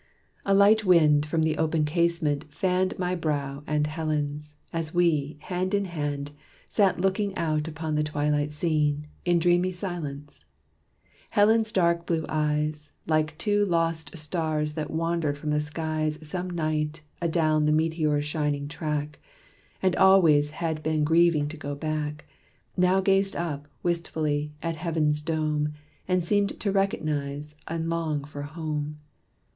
A light wind, from the open casement, fanned My brow and Helen's, as we, hand in hand, Sat looking out upon the twilight scene, In dreamy silence. Helen's dark blue eyes, Like two lost stars that wandered from the skies Some night adown the meteor's shining track, And always had been grieving to go back, Now gazed up, wistfully, at heaven's dome, And seemed to recognize and long for home.